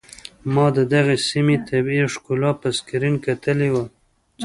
ما د دغې سيمې طبيعي ښکلا په سکرين کتلې وه.